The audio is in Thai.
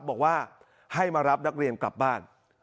บอกว่าให้มารับนักเรียนกลับบ้าน